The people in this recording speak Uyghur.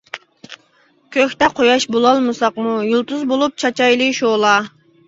كۆكتە قۇياش بولالمىساقمۇ، يۇلتۇز بولۇپ چاچايلى شولا.